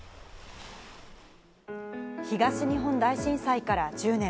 東日本大震災から１０年。